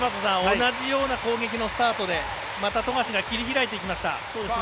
同じような攻撃のスタートでまた富樫が切り開いていきました。